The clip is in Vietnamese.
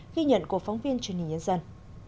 ghi nhận của phóng viên truyền hình nhân dân